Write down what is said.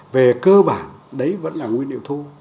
về cơ bản đấy vẫn là nguyên liệu thu